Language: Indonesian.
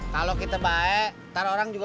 cambir nih bang ojak